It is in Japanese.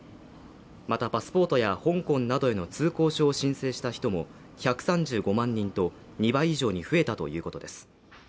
またパスポートや香港などへの通行証を申請した人も１３５万人と２倍以上に増えたということです